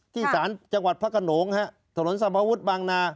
ที่ศาลจังหวัดพระคนนงฮะถนนสัมพวุฒิบังนา